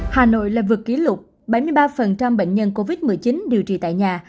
hà nội là vượt kỷ lục bảy mươi ba bệnh nhân covid một mươi chín điều trị tại nhà